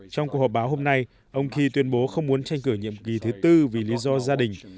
trong cuộc họp báo hôm nay ông ki tuyên bố không muốn tranh cử nhiệm kỳ thứ tư vì lý do gia đình